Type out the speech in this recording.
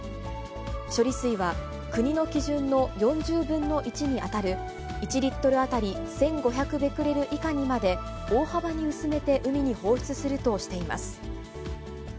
処理水は、国の基準の４０分の１に当たる、１リットル当たり１５００ベクレル以下にまで大幅に薄めて海に放出するとしています。